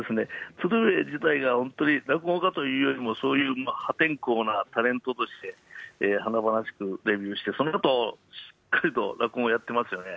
鶴瓶自体が落語家というよりも、そういう破天荒なタレントとして、華々しくデビューして、そのあと、きちんと落語やってますよね。